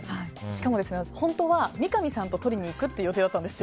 しかも、本当は三上さんと取りに行くっていう予定だったんです。